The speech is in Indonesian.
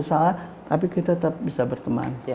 saat tapi kita tetap bisa berteman